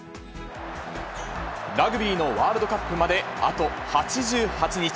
ラグビーのワールドカップまであと８８日。